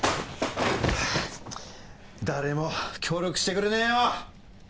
誰も協力してくれねえよ！